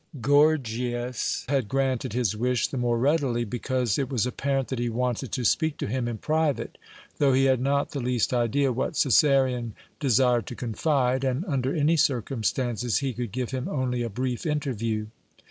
Gorgias had granted his wish the more readily, because it was apparent that he wanted to speak to him in private, though he had not the least idea what Cæsarion desired to confide, and, under any circumstances, he could give him only a brief interview.